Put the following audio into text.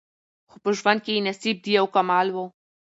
خو په ژوند کي یې نصیب دا یو کمال وو